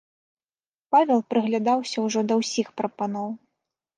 Павел прыглядаўся ўжо да ўсіх прапаноў.